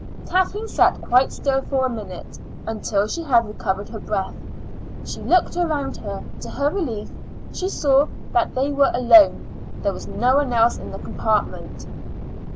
Kathleen sat quite still for a minute until she had recovered her breath. She looked around her. To her relief, she saw that they were alone. There was no one else in the compartment.